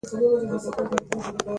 په یوې غونډې کې ګډون موخه وه.